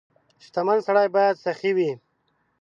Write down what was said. • شتمن سړی باید سخي وي.